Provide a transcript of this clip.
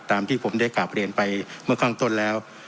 ตามที่ผมได้กราบเรียนไปเมื่อข้างต้นแล้ว